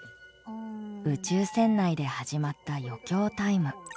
宇宙船内で始まった余興タイム。